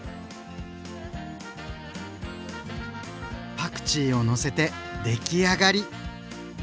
パクチーをのせて出来上がり！